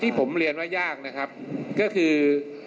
ผมเรียนว่ายากนะครับก็คือ